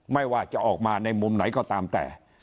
ไม่ว่าจะออกมาในมุมไหนก็ตามแต่